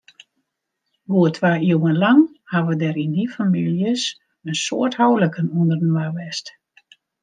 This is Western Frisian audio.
Goed twa iuwen lang hawwe der yn dy famyljes in soad houliken ûnderinoar west.